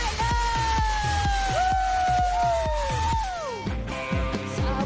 ทิ้งเย็นไกลเตอร์